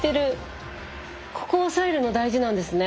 ここ押さえるの大事なんですね。